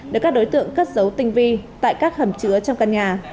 được các đối tượng cất dấu tinh vi tại các hầm chứa trong căn nhà